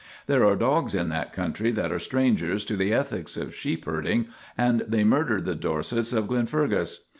There are dogs in that country that are strangers to the ethics of sheep herding, and they murdered the Dorsets of Glenfergus.